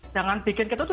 jangan bikin ketutup